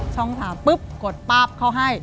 ช่อง๓ปุ๊บกดปั๊บเขาให้